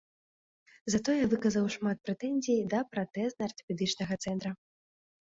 Затое выказаў шмат прэтэнзій да пратэзна-артапедычнага цэнтра.